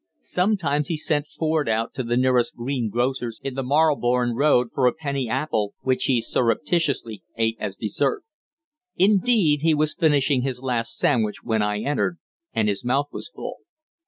Sometimes he sent Ford out to the nearest greengrocer's in the Marylebone Road for a penny apple, which he surreptitiously ate as dessert. Indeed, he was finishing his last sandwich when I entered, and his mouth was full.